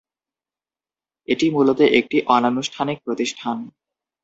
এটি মূলত একটি অনানুষ্ঠানিক প্রতিষ্ঠান।